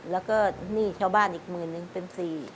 แล้วก็หนี้ชาวบ้านอีกหมื่นนึงเป็น๔